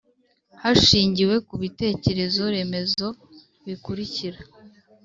hashingiwe ku bitekerezo remezo bikurikira: